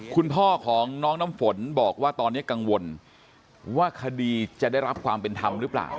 คุณพ่อของน้องน้ำฝนบอกว่าตอนนี้กังวลว่าคดีจะได้รับความเป็นธรรมหรือเปล่า